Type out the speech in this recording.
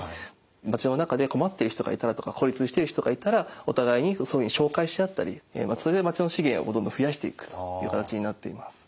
町の中で困っている人がいたらとか孤立してる人がいたらお互いにそういうふうに紹介し合ったりそれで町の資源をどんどん増やしていくという形になっています。